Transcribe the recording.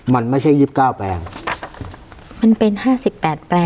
มันไม่ใช่ยี่สิบเก้าแปลงมันเป็นห้าสิบแปดแปลง